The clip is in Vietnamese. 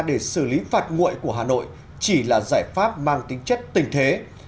để xử lý phạt nguội của hà nội chỉ là giải pháp mang tính chất tình thế